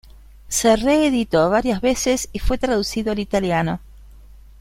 Se reeditó varias veces y fue traducido al italiano.